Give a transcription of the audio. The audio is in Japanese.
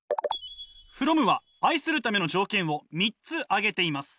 フロムは愛するための条件を３つ挙げています。